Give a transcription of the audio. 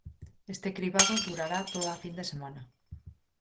Este cribado durará toda a fin de semana.